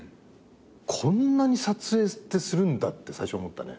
こんなに撮影ってするんだって最初思ったね。